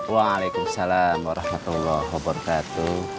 waalaikumsalam warahmatullahi wabarakatuh